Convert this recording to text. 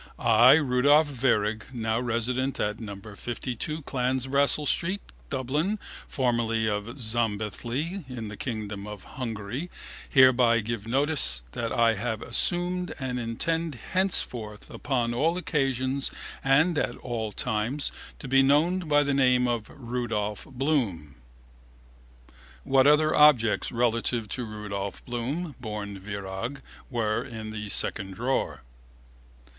I, Rudolph Virag, now resident at no 52 Clanbrassil street, Dublin, formerly of Szombathely in the kingdom of Hungary, hereby give notice that I have assumed and intend henceforth upon all occasions and at all times to be known by the name of Rudolph Bloom. What other objects relative to Rudolph Bloom (born Virag) were in the 2nd drawer?